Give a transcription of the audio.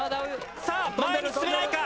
さあ前に進めないか！？